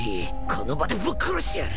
この場でぶっ殺してやる。